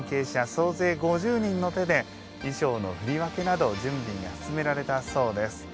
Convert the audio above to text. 総勢５０人の手で衣装の振り分けなど準備が進められたそうです。